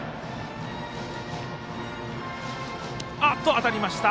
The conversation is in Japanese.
当たりました。